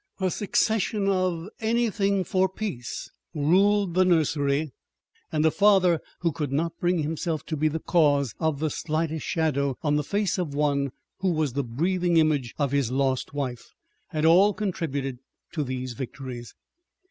A succession of "anything for peace" rulers of the nursery, and a father who could not bring himself to be the cause of the slightest shadow on the face of one who was the breathing image of his lost wife, had all contributed to these victories.